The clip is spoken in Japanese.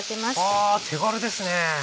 あ手軽ですね。